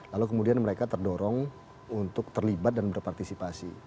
lalu kemudian mereka terdorong untuk terlibat dan berpartisipasi